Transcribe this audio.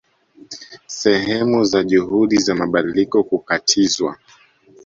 Sehemu za juhudi za mabadiliko kukatizwa